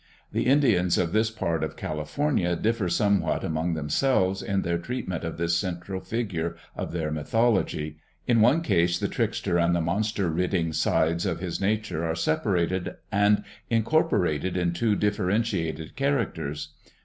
The Indians of this part of California differ somewhat among themselves in their treatment of this central figure of their mythol ogy. In one case the trickster and the monster ridding sides of his nature are separated and incorporated in two differentiated characters.